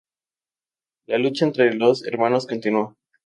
La lucha entre los hermanos continuó.